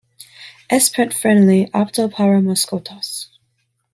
Es pet friendly, apto para mascotas.